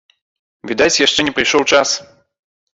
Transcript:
Відаць яшчэ не прыйшоў час.